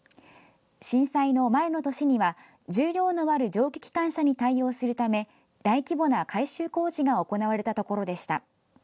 震災の前の年には、重量のある蒸気機関車に対応するため大規模な改修工事が行われたところでした。